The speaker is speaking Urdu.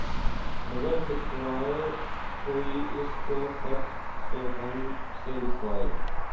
مگر لکھوائے کوئی اس کو خط تو ہم سے لکھوائے